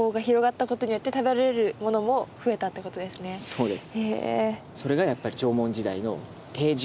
そうです。